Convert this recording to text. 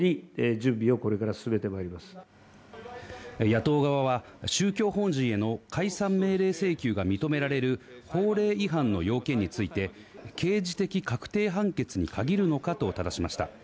野党側は宗教法人への解散命令請求が認められる法令違反の要件について、刑事的確定判決に限るのかとただしました。